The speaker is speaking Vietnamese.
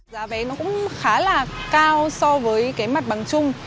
giá vé nó cũng khá là cao so với cái mặt bằng chung